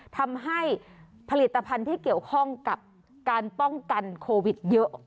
ทำให้ผลิตภัณฑ์ที่เกี่ยวข้องกับการป้องกันโควิดเยอะ